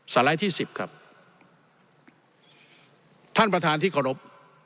ไลด์ที่สิบครับท่านประธานที่เคารพ